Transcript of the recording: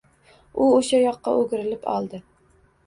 U o’sha yoqqa o’girilib oldi.